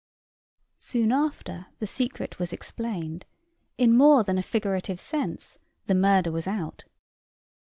Soon after the secret was explained in more than a figurative sense "the murder was out."